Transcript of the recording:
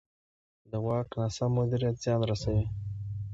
د واک ناسم مدیریت زیان رسوي